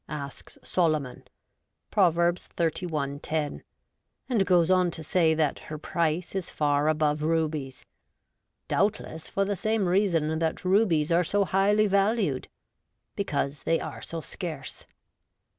asks Solomon (Prov. xxxi. lo), and goes on to say that her price is far above rubies : doubtless for the same reason that rubies are so highly valued— because they are so scarce.